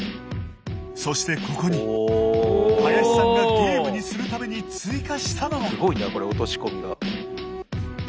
そしてここに林さんがゲームにするために追加したのが。